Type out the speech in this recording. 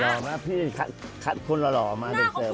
หล่อมาพี่คัดคุณหล่อมาเด็กเติบ